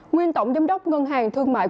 nguyên tổng giám đốc ngân hàng thương mại